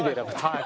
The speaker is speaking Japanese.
はい。